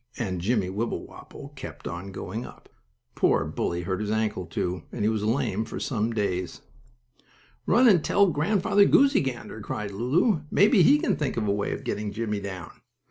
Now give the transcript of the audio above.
and Jimmie Wibblewobble kept on going up. Poor Bully hurt his ankle, too, and he was lame for some days. "Run and tell Grandfather Goosey Gander," cried Lulu. "Maybe he can think up a way of getting Jimmie down."